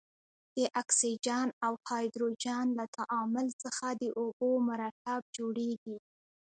د اکسیجن او هایدروجن له تعامل څخه د اوبو مرکب جوړیږي.